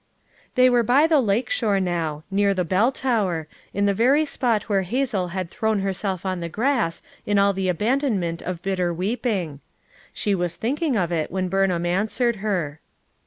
They were by the lake shore now, near the bell tower, in the very spot where Hazel had 406 FOUR MOTHERS AT CHAUTAUQUA thrown herself on the grass in all the abandon ment of bitter weeping. She was thinking of it when Burnhain answered her.